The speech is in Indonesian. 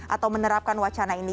atau menerapkan wacana ini